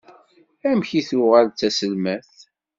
Amek i tuɣal d taselmadt?